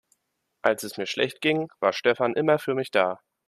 Als es mir schlecht ging, war Stefan immer für mich da.